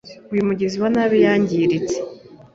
Uyu mugizi wa nabi yangiritse.